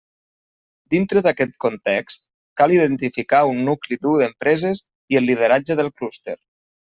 Dintre d'aquest context, cal identificar un nucli dur d'empreses i el lideratge del clúster.